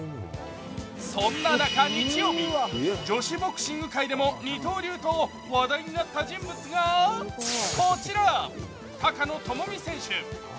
そんな中、日曜日、女子ボクシング界でも二刀流と話題になった人物がこちら、高野人母美選手。